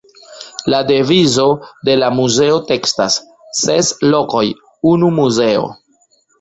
La devizo de la muzeo tekstas: „Ses lokoj, unu muzeo“.